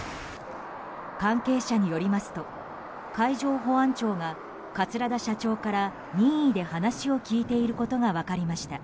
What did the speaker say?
関係者によりますと海上保安庁が桂田社長から任意で話を聞いていることが分かりました。